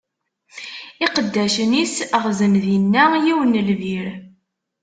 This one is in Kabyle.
Iqeddacen-is ɣzen dinna yiwen n lbir.